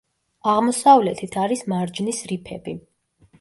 აღმოსავლეთით არის მარჯნის რიფები.